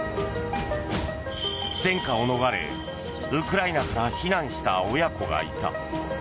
戦火を逃れ、ウクライナから避難した親子がいた。